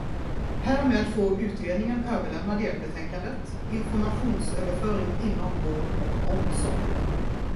Härmed får utredningen överlämna delbetänkandet Informationsöverföring inom vård och omsorg.